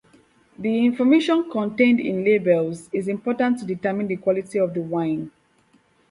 The information contained in labels is important to determine the quality of the wine.